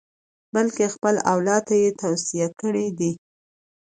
بلکې خپل اولاد ته یې توصیې کړې دي.